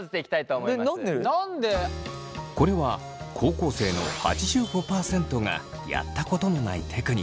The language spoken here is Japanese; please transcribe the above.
これは高校生の８５％がやったことのないテクニック。